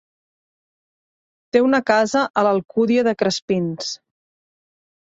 Té una casa a l'Alcúdia de Crespins.